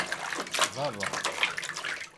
Berra!